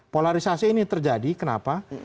polarisasi ini terjadi kenapa